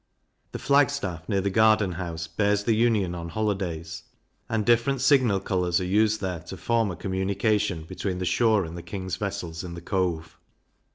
The Flag staff near the gardenhouse bears the Union on holidays, and different signal colours are used there to form a communication between the shore and the king's vessels in the Cove.